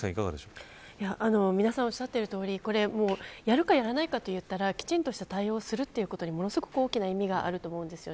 皆さんおっしゃっているとおりやるかやらないかといったらきちんと対応するということにものすごく大きな意味があると思うんです。